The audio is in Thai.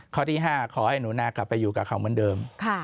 ข้อที่๕ขอให้หนูนากลับไปอยู่กับเขาเหมือนเดิม